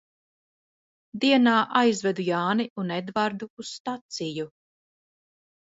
Dienā aizvedu Jāni un Edvardu uz staciju.